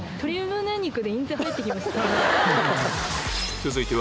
続いては